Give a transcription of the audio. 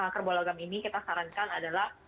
kerbologam ini kita sarankan adalah